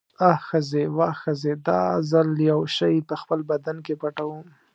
آ ښځې، واه ښځې، دا ځل یو شی په خپل بدن کې پټوم.